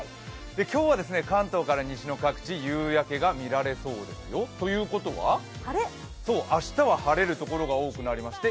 今日は関東から西の各地、夕焼けが見られそうですよ。ということは、明日は晴れる所が多くなりまして